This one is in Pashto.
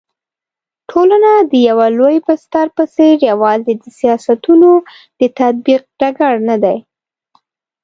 ټولنه د يوه لوی بستر په څېر يوازي د سياستونو د تطبيق ډګر ندی